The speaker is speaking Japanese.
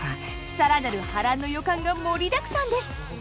更なる波乱の予感が盛りだくさんです。